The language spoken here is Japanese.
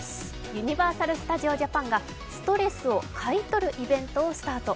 ユニバーサル・スタジオ・ジャパンがストレスを買い取るイベントをスタート。